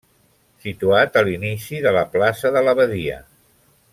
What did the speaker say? Situat a l'inici de la plaça de l'Abadia.